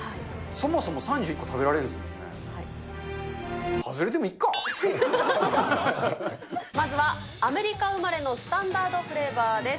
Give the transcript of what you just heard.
そもそも３１個食べられるんですもんね、まずは、アメリカ生まれのスタンダードフレーバーです。